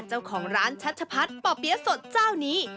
เจ้าของร้านชัชพัฒน์ป่อเปี๊ยะสดเจ้านี้